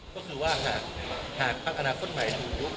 ก็คือว่าหากพักอนาคตใหม่ถูกยุบ